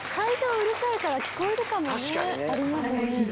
うるさいから聞こえるかもありますよね。